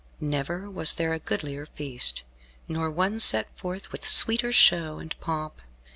Never was there a goodlier feast, nor one set forth with sweeter show and pomp.